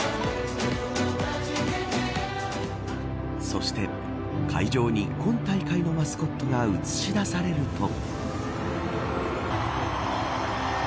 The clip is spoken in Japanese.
そして会場に今大会のマスコットが映し出されると。